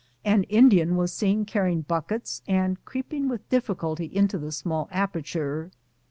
An Indian was seen carrying buck ets and creeping with difficulty into the small aperture.